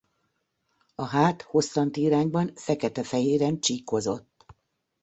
A hát hosszanti irányban fekete-fehéren csíkozott.